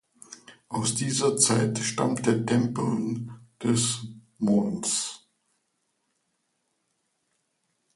Aus dieser Zeit stammt der Tempel des Month.